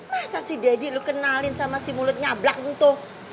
masa si daddy lo kenalin sama si mulut nyablak itu